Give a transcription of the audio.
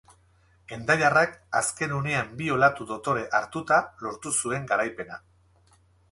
Hendaiarrak azken unean bi olatu dotore hartuta lortu zuen garaipena.